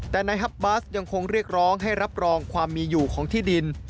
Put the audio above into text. แต่นายฮับบัสยังคงเรียกร้องให้รับรองความมีอยู่ของที่ดิน